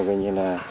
coi như là